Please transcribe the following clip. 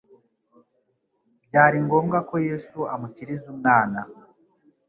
Byari ngombwa ko Yesu amukiriza umwana.